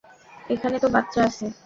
এখানে তো বাচ্চা আছে।